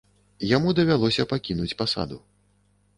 Яму давялося пакінуць пасаду.